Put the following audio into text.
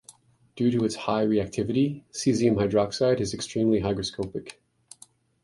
Due to its high reactivity, caesium hydroxide is extremely hygroscopic.